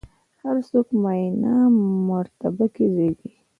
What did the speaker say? هر څوک معینه مرتبه کې زېږي.